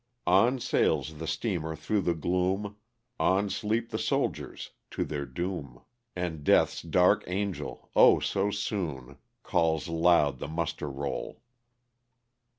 On sails the steamer through the gloom, On sleep the soldiers to their doom, And death's dark angel— oh ! so soon Calls loud the muster roll.